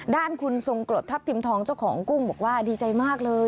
ด้านคุณทรงกรดทัพทิมทองเจ้าของกุ้งบอกว่าดีใจมากเลย